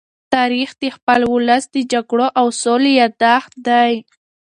تاریخ د خپل ولس د جګړو او سولې يادښت دی.